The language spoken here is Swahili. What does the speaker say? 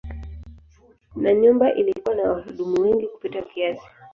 Na nyumba ilikuwa na wahudumu wengi kupita kiasi.